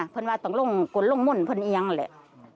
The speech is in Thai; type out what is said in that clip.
เพราะว่าต้องลงหมุ่นเพราะเองเลย